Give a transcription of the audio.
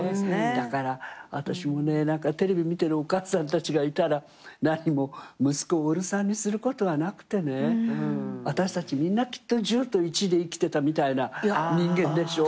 だから私もねテレビ見てるお母さんたちがいたら何も息子をオール３にすることはなくてね私たちみんなきっと１０と１で生きてたみたいな人間でしょ？